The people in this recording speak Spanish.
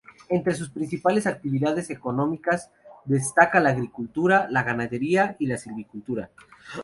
Entre sus principales actividades económicas destaca la agricultura, la ganadería y la silvicultura.